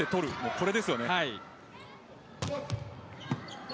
これですよね。